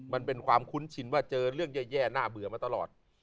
มันเป็นความคุ้นชินว่าเจอเรื่องแย่น่าเบื่อมาตลอด